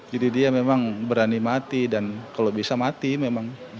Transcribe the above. jadi dia memang berani mati dan kalau bisa mati memang